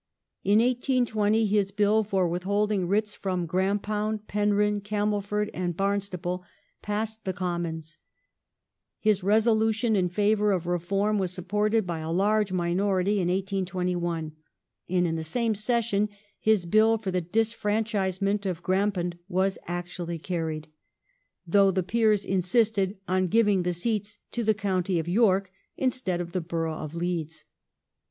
Ill 1820 his Bill for withholding Jg/Lg Writs from Grampound, Penryn, Camelford, and Barnstaple, passed vflHp the Commons ; his resolution in favour of reform was supported by ^^ a large minority in 1821, and in the same session his Bill for the Disfranchisement of Grampound was actually carried, though the Peers insisted on giving the seats to the County of York instead of the Borough of Leeds.